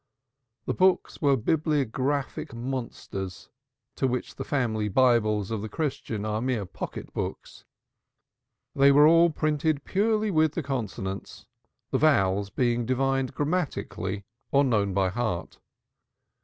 The books were bibliographical monsters to which the Family Bibles of the Christian are mere pocket books. They were all printed purely with the consonants, the vowels being divined grammatically or known by heart.